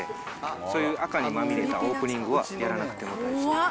そういうあかにまみれたオープニングは、やらなくても大丈夫です。